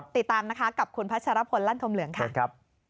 ติดตามนะคะกับคุณพัชรพลลั่นธมเหลืองค่ะ